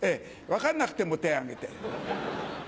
分かんなくても手挙げて。